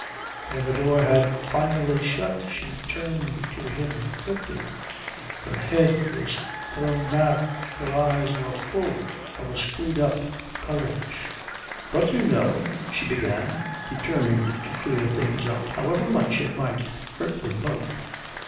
When the door had finally shut she turned to him quickly. Her head was thrown back, her eyes were full of a screwed up courage. "But you know " she began, determined to clear things up, however much it might hurt them both.